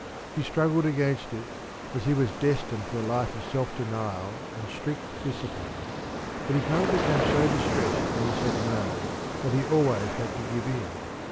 He struggled against it, as he was destined for a life of self denial and strict discipline, but his mother became so distressed when he said no that he always had to give in.